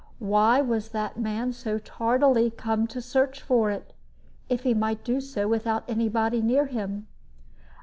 Why was that man so tardily come to search for it, if he might do so without any body near him?